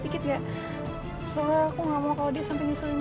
tiket ya soal aku nggak mau kalau dia sampai nyusulin kita